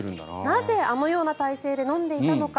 なぜあのような体勢で飲んでいたのか。